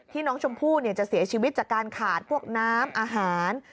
น้องชมพู่จะเสียชีวิตจากการขาดพวกน้ำอาหาร